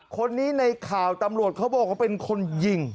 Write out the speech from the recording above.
คนนี้ในข่าวตำรวจเขาบอกว่าเป็นคนยิง